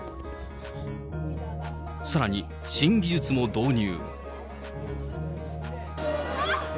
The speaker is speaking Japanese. さらに新技術も導入。